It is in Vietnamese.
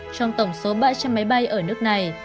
trong tổng số ba trăm linh máy bay ở nước này